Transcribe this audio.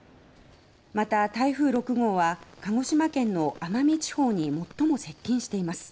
また台風６号は鹿児島県の奄美地方に最も接近しています。